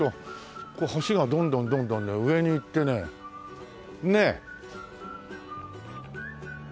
橋がどんどんどんどんね上にいってねねえ。